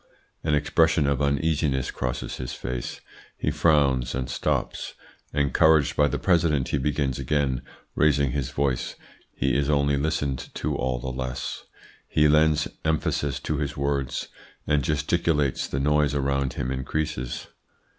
"An expression of uneasiness crosses his face; he frowns and stops. Encouraged by the President, he begins again, raising his voice. He is only listened to all the less. He lends emphasis to his words, and gesticulates: the noise around him increases.